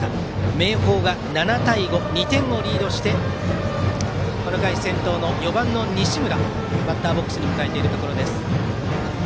明豊が７対５、２点をリードしてこの回先頭、４番の西村をバッターボックスに迎えています。